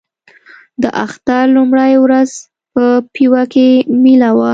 د اختر لومړۍ ورځ په پېوه کې مېله وه.